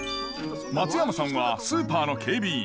松山さんはスーパーの警備員。